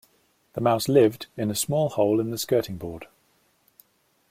The mouse lived in a small hole in the skirting board